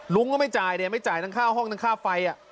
ลุงก็ไม่จ่ายเนี่ยไม่จ่ายทั้งค่าห้องทั้งค่าไฟ